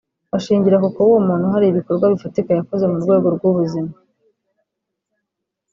bashingira ku kuba uwo muntu hari ibikorwa bifatika yakoze mu rwego rw’ubuzima